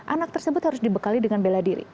anak tersebut harus dibekali dengan bela diri